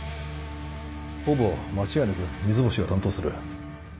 ほぼ間違いなく三ツ星が担当する。